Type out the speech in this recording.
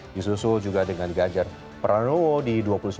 disusul juga dengan ganjar pranowo di dua ribu sembilan belas